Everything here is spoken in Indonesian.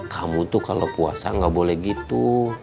kamu tuh kalo puasa ga boleh gitu